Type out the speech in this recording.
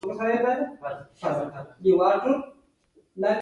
احمده! دا دې څه قيامت جوړ کړی دی؟